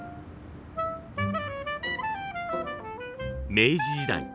明治時代。